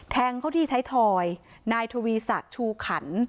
แทงเข้าที่ไทยทอยนายทวีศักดิ์ชูขัน